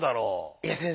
いや先生。